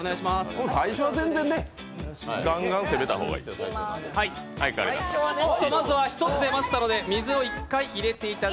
最初は全然、ガンガンに攻めたほうがいいです。